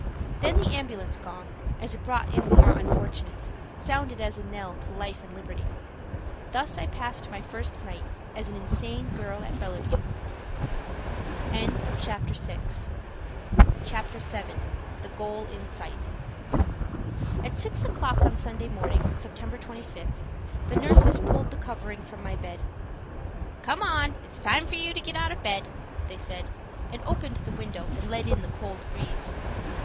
Then the ambulance gong, as it brought in more unfortunates, sounded as a knell to life and liberty. Thus I passed my first night as an insane girl at Bellevue. CHAPTER VII. THE GOAL IN SIGHT. AT 6 o'clock on Sunday morning, Sept. 25, the nurses pulled the covering from my bed. "Come, it's time for you to get out of bed," they said, and opened the window and let in the cold breeze.